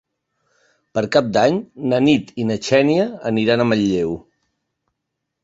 Per Cap d'Any na Nit i na Xènia aniran a Manlleu.